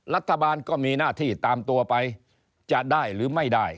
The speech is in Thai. รัฐบาลก็มีหน้าที่ตามตัวไปจะได้หรือไม่ได้